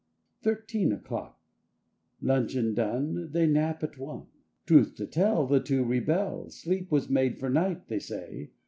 THIRTEEN O'CLOCK L uncheon done, ^ They nap at one; Truth to tell, The two rebel. Sleep was made for night, they say.